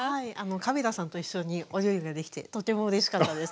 カビラさんと一緒にお料理ができてとてもうれしかったです。